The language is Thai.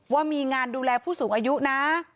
ว่ามีงานดูแลผู้สูงอายุนะ